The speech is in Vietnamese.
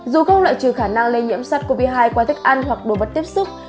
dù không loại trừ khả năng lây nhiễm sars cov hai qua thức ăn hoặc đồ vật tiếp xúc